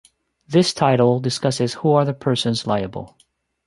This title discusses who are the persons liable.